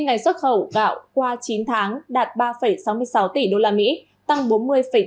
cộng hội nông nghiệp và phát triển nông thôn khiên ngày xuất khẩu gạo qua chín tháng đạt ba sáu mươi sáu tỷ usd